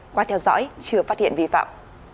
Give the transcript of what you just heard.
qua theo dõi chưa phát hiện vi phạm